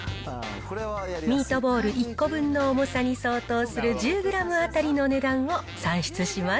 ミートボール１個分の重さに相当する１０グラム当たりの値段を算出します。